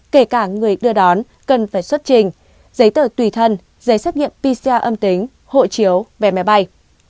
kể cả người đưa đón cần phải xuất trình giấy tờ tùy thân giấy xác nhận pcr âm tính hộ chiếu vé máy bay